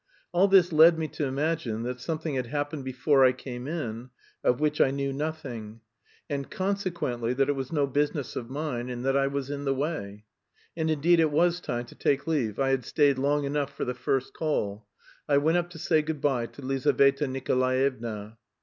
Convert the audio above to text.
All this led me to imagine that something had happened before I came in of which I knew nothing; and, consequently, that it was no business of mine and that I was in the way. And, indeed, it was time to take leave, I had stayed long enough for the first call. I went up to say good bye to Lizaveta Nikolaevna.